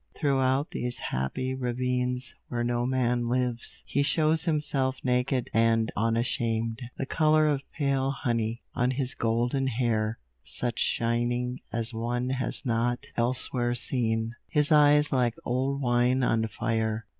Throughout these happy ravines where no man lives, he shows himself naked and unashamed, the colour of pale honey; on his golden hair such shining as one has not elsewhere seen; his eyes like old wine on fire.